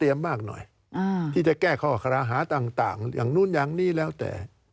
อย่างนู้นอย่างนี้แล้วแต่